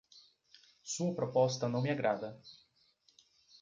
Sua proposta não me agrada